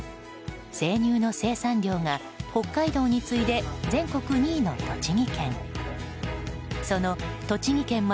生乳の生産量が北海道に次いで全国２位の栃木県。